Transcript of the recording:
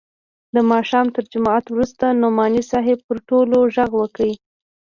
د ماښام تر جماعت وروسته نعماني صاحب پر ټولو ږغ وکړ.